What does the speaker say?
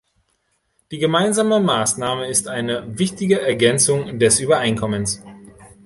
Die gemeinsame Maßnahme ist eine wichtige Ergänzung des Übereinkommens.